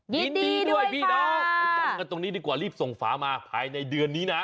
ยินดีด้วยพี่น้องไปจำกันตรงนี้ดีกว่ารีบส่งฝามาภายในเดือนนี้นะ